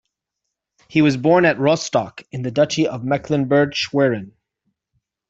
He was born at Rostock in the Duchy of Mecklenburg-Schwerin.